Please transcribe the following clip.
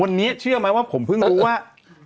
วันนี้เชื่อไหมว่าผมเพิ่งรู้ว่า